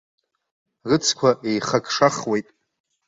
Рыцқәа еихакшахуеит.